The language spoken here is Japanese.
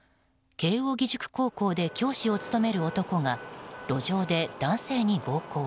慶應義塾高校で教師を務める男が路上で男性に暴行。